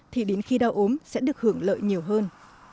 thì đến khi đau ốm sẽ được hưởng lợi nhiều hơn